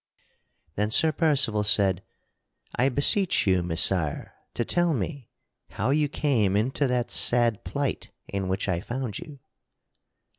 Then Sir Percival said: "I beseech you, Messire, to tell me how you came into that sad plight in which I found you."